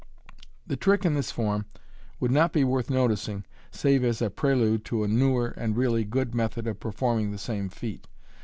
The trick in this form would not be worth noticing, save as a prelude to a newer and really good method of performing the same feat.